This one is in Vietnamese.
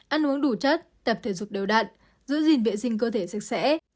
ăn uống đủ chất tập thể dục đều đặn giữ gìn vệ sinh cơ thể sức sẽ